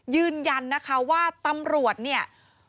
ยืนยันนะคะว่าตำรวจเนี่ย